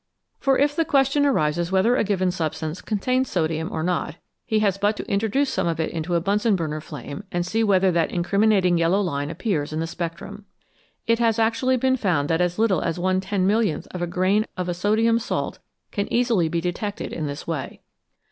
For if the question arises whether a given substance contains sodium or not, he has but to introduce some of it into a Bunsen burner flame and see whether that incriminating yellow line appears in the spectrum. It has actually been found that as little as one ten millionth of a grain of a sodium salt can easily be detected in this way.